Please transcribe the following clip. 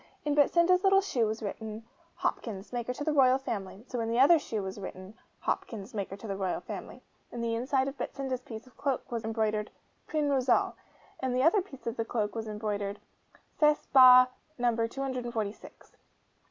In Betsinda's little shoe was written, 'Hopkins, maker to the Royal Family'; so in the other shoe was written, 'Hopkins, maker to the Royal Family.' In the inside of Betsinda's piece of cloak was embroidered, 'PRIN ROSAL'; in the other piece of cloak was embroidered 'CESS BA. NO. 246.